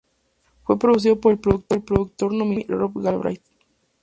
Fue producido por el productor nominado al Grammy, Rob Galbraith.